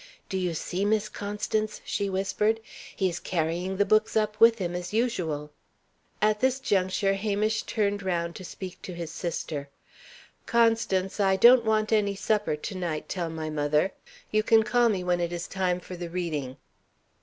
"Do you see, Miss Constance?" she whispered. "He is carrying the books up with him, as usual!" At this juncture, Hamish turned round to speak to his sister. "Constance, I don't want any supper to night, tell my mother. You can call me when it is time for the reading."